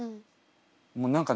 もう何かね